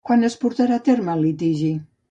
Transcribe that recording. Quan es portarà a terme el litigi?